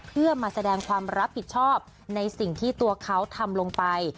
เพื่อมาแสดงความรับผิดชอบในสิ่งที่ตัวเขาทำลงไป